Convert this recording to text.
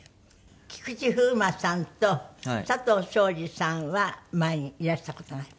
菊池風磨さんと佐藤勝利さんは前にいらした事がある。